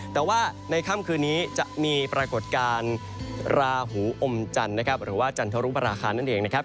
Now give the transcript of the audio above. แต่ว่าในค่ำคืนนี้จะมีปรากฏการณ์ราหูอมจันทร์นะครับหรือว่าจันทรุปราคานั่นเองนะครับ